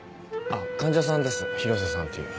患者さんです広瀬さんっていう。